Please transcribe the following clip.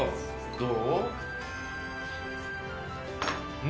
どう？